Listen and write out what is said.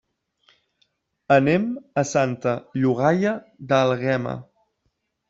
Anem a Santa Llogaia d'Àlguema.